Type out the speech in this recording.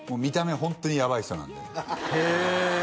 ホントにやばい人なんでへえ